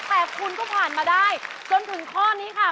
แต่คุณก็ผ่านมาได้จนถึงข้อนี้ค่ะ